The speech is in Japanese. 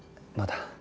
まだ。